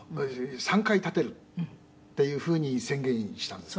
３回建てるっていうふうに宣言したんですね」